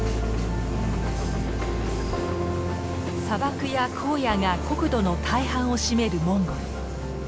砂漠や荒野が国土の大半を占めるモンゴル。